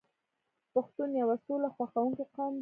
پښتون یو سوله خوښوونکی قوم دی.